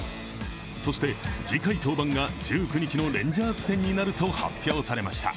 そして次回登板が１９日のレンジャーズ戦になると発表されました。